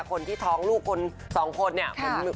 คนที่ท้องลูกคนสองคนเนี่ย